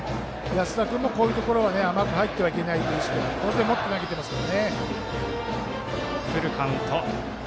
安田君もこういうところで甘く入ってはいけない当然、持って、投げてますから。